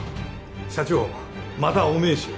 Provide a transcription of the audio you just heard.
社長またお名刺を。